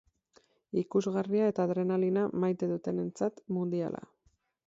Ikusgarria eta adrenalina maite dutenentzat, mundiala.